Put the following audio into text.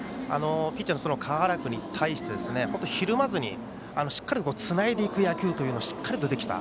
ピッチャーの川原君に対して本当、ひるまずしっかりつないでいく野球がしっかりとできた。